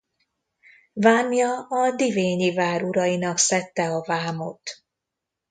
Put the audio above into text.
Vámja a divényi vár urainak szedte a vámot.